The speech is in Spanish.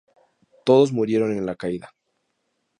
Todos murieron en la caída.